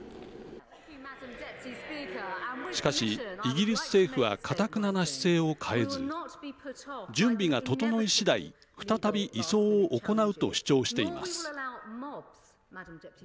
しかし、イギリス政府はかたくなな姿勢を変えず準備が整いしだい再び移送を行うと主張しています。